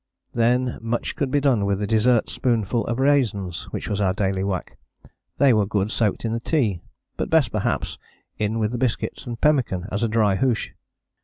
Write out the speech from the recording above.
Then much could be done with the dessert spoonful of raisins which was our daily whack. They were good soaked in the tea, but best perhaps in with the biscuits and pemmican as a dry hoosh.